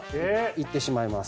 いってしまいます。